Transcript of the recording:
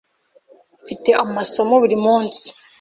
Mfite amasomo buri munsi.